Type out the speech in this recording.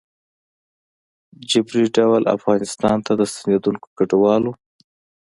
ه جبري ډول افغانستان ته د ستنېدونکو کډوالو